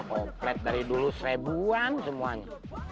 oklet dari dulu seribuan semuanya